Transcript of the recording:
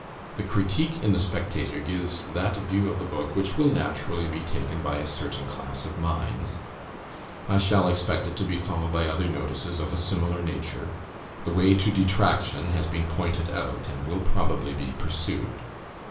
The critique in the Spectator gives that view of the book which will naturally be taken by a certain class of minds; I shall expect it to be followed by other notices of a similar nature. The way to detraction has been pointed out, and will probably be pursued.